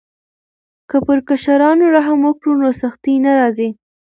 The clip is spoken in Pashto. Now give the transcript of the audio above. که پر کشرانو رحم وکړو نو سختي نه راځي.